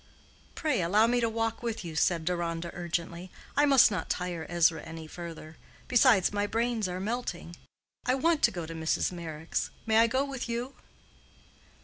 "Pray allow me to walk with you," said Deronda urgently. "I must not tire Ezra any further; besides my brains are melting. I want to go to Mrs. Meyrick's: may I go with you?"